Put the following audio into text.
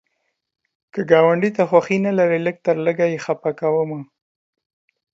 که ګاونډي ته خوښي نه لرې، لږ تر لږه یې خفه مه کوه